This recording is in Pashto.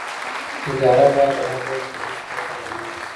اداره باید له هر ډول تبعیض پرته رامنځته شي.